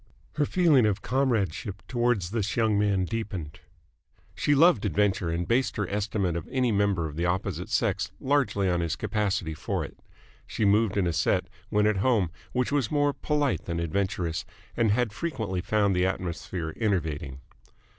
Her feeling of comradeship towards this young man deepened. She loved adventure and based her estimate of any member of the opposite sex largely on his capacity for it. She moved in a set, when at home, which was more polite than adventurous, and had frequently found the atmosphere enervating.